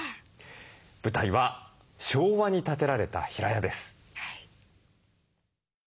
舞台は昭和に建てられた平屋です。